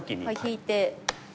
引いて。